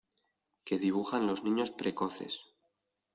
que dibujan los niños precoces: